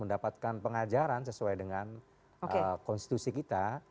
mendapatkan pengajaran sesuai dengan konstitusi kita